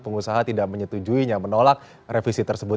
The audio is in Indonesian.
pengusaha tidak menyetujuinya menolak revisi tersebut